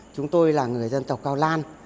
chúng tôi là người dân tộc cao lan